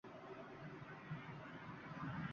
Tablin baland chol.